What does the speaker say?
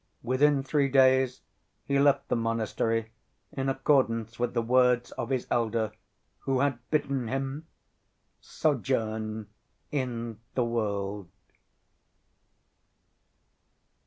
Within three days he left the monastery in accordance with the words of his elder, who had bidden him "sojourn in the world."